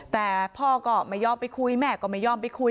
แต่พ่อก็ไม่ยอมไปคุยแม่ก็ไม่ยอมไปคุย